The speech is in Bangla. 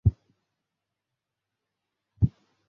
এখনো সেই আগের মতোই হাবাগোবা।